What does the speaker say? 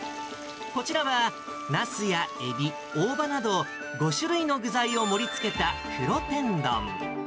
こちらはナスやエビ、大葉など５種類の具材を盛りつけた黒天丼。